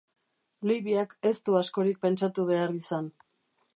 Liviak ez du askorik pentsatu behar izan.